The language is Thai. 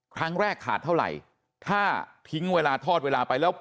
ครั้งแรกขาดเท่าไหร่ถ้าทิ้งเวลาทอดเวลาไปแล้ว